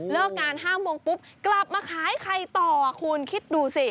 งาน๕โมงปุ๊บกลับมาขายไข่ต่อคุณคิดดูสิ